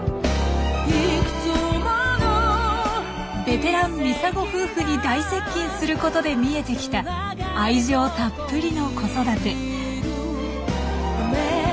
ベテラン・ミサゴ夫婦に大接近することで見えてきた愛情たっぷりの子育て。